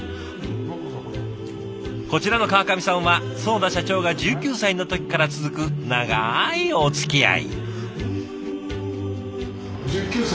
こちらの川上さんは囿田社長が１９歳の時から続く長いおつきあい。